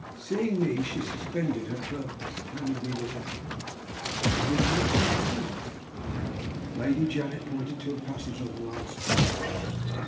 Seeing me, she suspended her purpose and handed me the letter. It was in Mercy's handwriting. Lady Janet pointed to a passage on the last page.